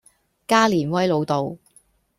加連威老道